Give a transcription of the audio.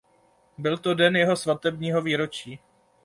Byl to den jeho svatebního výročí.